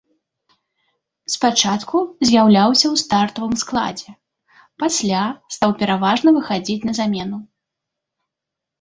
Спачатку з'яўляўся ў стартавым складзе, пасля стаў пераважна выхадзіць на замену.